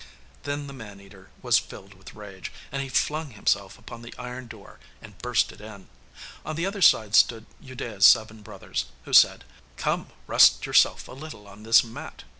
Then the man eater was filled with rage, and he flung himself upon the iron door and burst it in. On the other side stood Udea's seven brothers, who said, 'Come, rest yourself a little on this mat.